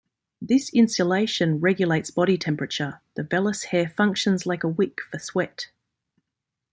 This insulation regulates body temperature: the vellus hair functions like a wick for sweat.